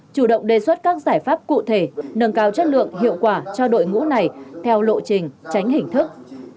chủ động đề xuất các giải pháp cụ thể nâng cao chất lượng hiệu quả cho đội ngũ này theo lộ trình tránh hình thức